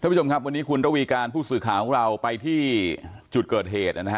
ผู้ชมครับวันนี้คุณระวีการผู้สื่อข่าวของเราไปที่จุดเกิดเหตุนะฮะ